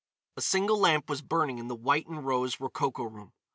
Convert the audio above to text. A single lamp was burning in the white and rose rococo room.